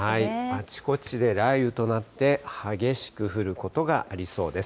あちこちで雷雨となって激しく降ることがありそうです。